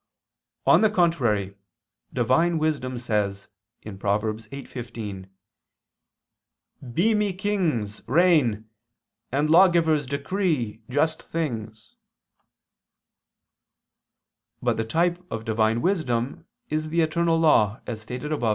On the contrary, Divine Wisdom says (Prov. 8:15): "By Me kings reign, and lawgivers decree just things." But the type of Divine Wisdom is the eternal law, as stated above (A.